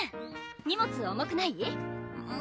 荷物重くない？